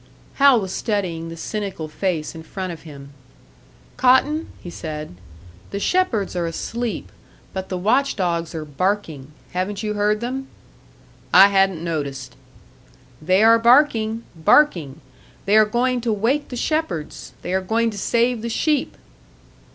Hal was studying the cynical face in front of him. "Cotton," he said, "the shepherds are asleep; but the watch dogs are barking. Haven't you heard them?" "I hadn't noticed." "They are barking, barking! They are going to wake the shepherds! They are going to save the sheep!"